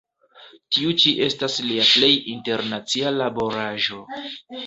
Tiu ĉi estas lia plej internacia laboraĵo.